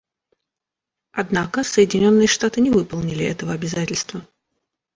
Однако Соединенные Штаты не выполнили этого обязательства.